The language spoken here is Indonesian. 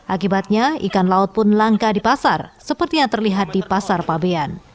akibatnya ikan laut pun langka di pasar seperti yang terlihat di pasar pabean